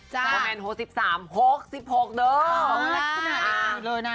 ก็แม่นโหลดสิบสามหกสิบหกเนอะ